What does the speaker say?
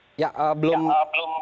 selamat malam pak barita